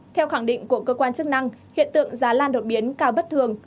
theo khẳng định của cơ quan chức năng hiện tượng giá lan đột biến cao bất thường